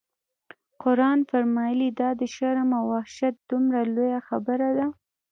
قرآن فرمایي: دا د شرم او وحشت دومره لویه خبره ده.